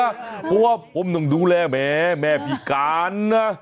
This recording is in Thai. เพราะว่าผมต้องดูแลแม่แม่พิการนะ